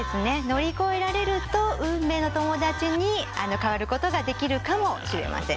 乗り越えられると運命の友だちに変わることができるかもしれません。